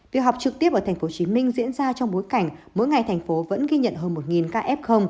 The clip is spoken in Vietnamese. việc học trực tiếp ở tp hcm diễn ra trong bối cảnh mỗi ngày thành phố vẫn ghi nhận hơn một ca f